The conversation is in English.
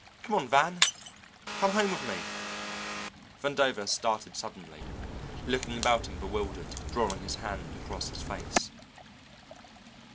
come on, Van! come home with me." Vandover started suddenly, looking about him bewildered, drawing his hand across his face.